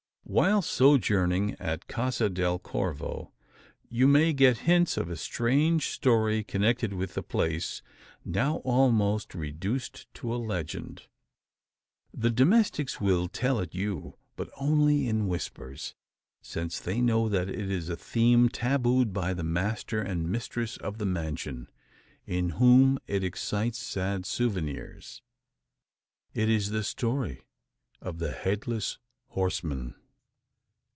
While sojourning at Casa del Corvo, you may get hints of a strange story connected with the place now almost reduced to a legend. The domestics will tell it you, but only in whispers: since they know that it is a theme tabooed by the master and mistress of the mansion, in whom it excites sad souvenirs. It is the story of the Headless Horseman.